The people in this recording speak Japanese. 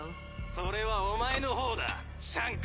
「それはお前の方だシャンク」